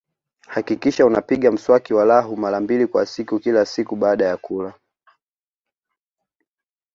Hakikisha unapiga mswaki walau mara mbili kwa siku kila siku baada ya kula